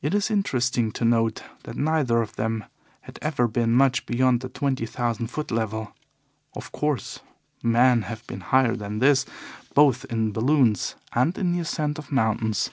It is interesting to note that neither of them had ever been much beyond the twenty thousand foot level. Of course, men have been higher than this both in balloons and in the ascent of mountains.